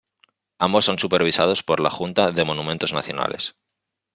Ambos son supervisados por la Junta de Monumentos Nacionales.